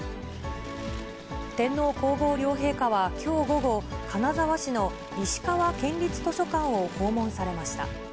天皇皇后両陛下はきょう午後、金沢市の石川県立図書館を訪問されました。